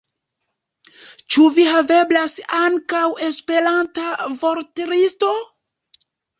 Ĉu haveblas ankaŭ Esperanta vortlisto?